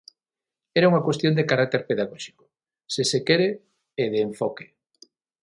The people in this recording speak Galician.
Era unha cuestión de carácter pedagóxico, se se quere, e de enfoque.